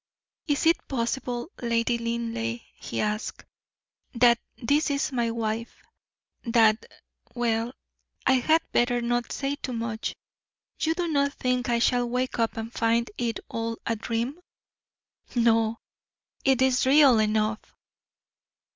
"Is it possible, Lady Linleigh?" he asked, "that this is my wife that well, I had better not say too much; you do not think I shall wake up and find it all a dream?" "No, it is real enough."